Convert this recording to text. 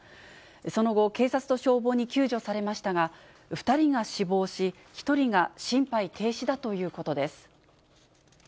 その後、警察と消防に救助されましたが、２人が死亡し、１人が心肺停止だということです。